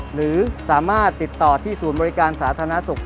หรือสามารถติดต่อที่ศูนย์บริการสาธารณสุข